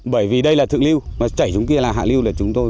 bởi vì đây là thượng lưu mà chảy xuống kia là hạ lưu là chúng tôi